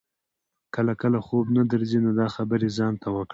که کله خوب نه درځي نو دا خبرې ځان ته وکړه.